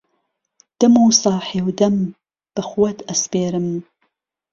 دهم و ساحێو دهم به خوهت ئهسپێرم